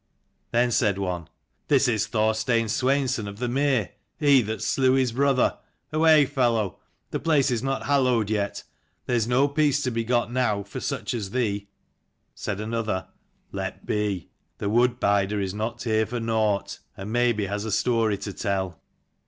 Then said one, "This is Thorstein Sweinson of the Mere : he that slew his brother. Away, fellow: the place is not hallowed yet; there is no peace to be got now for such as thee." Said another, "Let be: the wood bider is 290 not here for nought, and maybe has a story to tell."